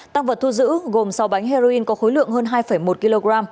tăng vật thu giữ gồm sáu bánh heroin có khối lượng hơn hai một kg